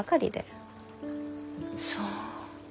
そう。